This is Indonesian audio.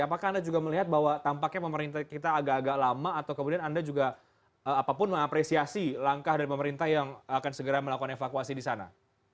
apakah anda juga melihat bahwa tampaknya pemerintah kita agak agak lama atau kemudian anda juga apapun mengapresiasi langkah dari pemerintah yang akan segera melakukan evakuasi di sana